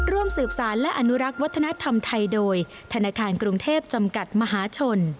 ร่วมสืบสารและอนุรักษ์วัฒนธรรมไทยโดยธนาคารกรุงเทพจำกัดมหาชน